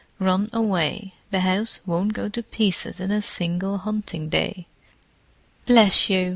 Run away: the house won't go to pieces in a single hunting day." "Bless you!"